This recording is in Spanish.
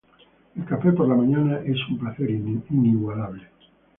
El café por la mañana es un placer inigualable.